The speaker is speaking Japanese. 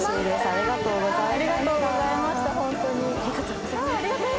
ありがとうございます。